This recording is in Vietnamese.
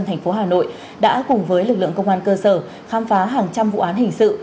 thành phố hà nội đã cùng với lực lượng công an cơ sở khám phá hàng trăm vụ án hình sự